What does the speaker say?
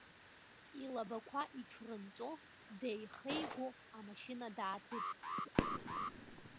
Илабақәа иҽрынҵо, деихеигәо амашьына дааҭыҵт.